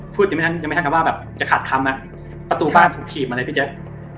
พูดยังไหมท่านจะขาดคำประตูบั้นถูกถีบมาเลยพี่แจ๊ค